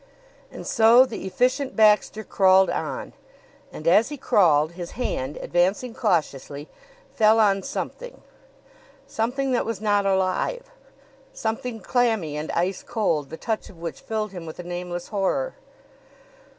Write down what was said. And so the Efficient Baxter crawled on; and as he crawled his hand, advancing cautiously, fell on something something that was not alive; something clammy and ice cold, the touch of which filled him with a nameless horror.